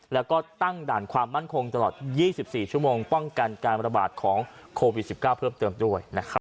แล้วก็ตั้งด่านความมั่นคงตลอด๒๔ชั่วโมงป้องกันการระบาดของโควิด๑๙เพิ่มเติมด้วยนะครับ